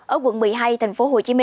ở quận một mươi hai tp hcm